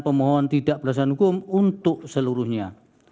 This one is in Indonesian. pemohon tidak berdasarkan hukum untuk seluruhnya